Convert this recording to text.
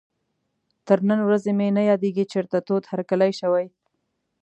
تر نن ورځې مې نه یادېږي چېرته تود هرکلی شوی.